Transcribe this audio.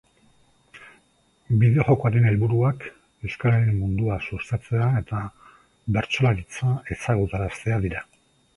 Bideo-jokoaren helburuak euskararen mundua sustatzea eta bertsolaritza ezagutaraztea dira.